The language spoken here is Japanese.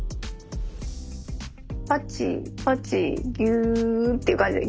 パチパチギュッていう感じで。